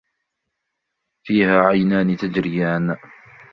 فِيهِمَا عَيْنَانِ تَجْرِيَانِ